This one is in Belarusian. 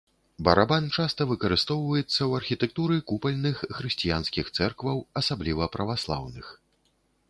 Барабан часта выкарыстоўваецца ў архітэктуры купальных хрысціянскіх цэркваў, асабліва, праваслаўных.